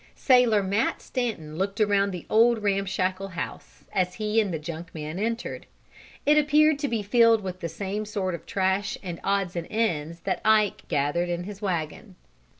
Sailor Matt Stanton looked around the old ramshackle house as he and the junk man entered. It appeared to be filled with the same sort of trash and odds and ends that Ike gathered in his wagon.